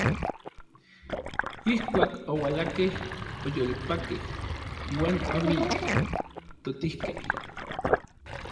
Ijkuak oualakej, oyolpakej uan omijtotijkej.